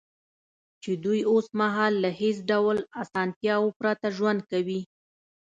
چې دوی اوس مهال له هېڅ ډول اسانتیاوو پرته ژوند کوي